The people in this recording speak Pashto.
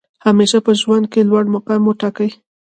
همېشه په ژوند کښي لوړ مقام وټاکئ!